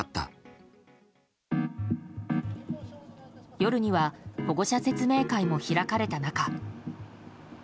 夜には保護者説明会も開かれた中。